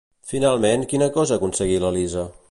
Finalment, quina cosa aconseguí l'Elisa?